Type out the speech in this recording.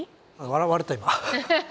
笑われた今。